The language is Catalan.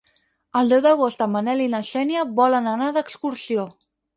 El deu d'agost en Manel i na Xènia volen anar d'excursió.